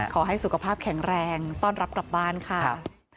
ขอให้สุขภาพแข็งแรงต้อนรับกลับบ้านค่ะ